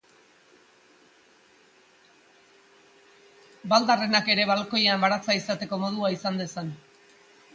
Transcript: Baldarrenak ere balkoian baratza izateko modua izan dezan.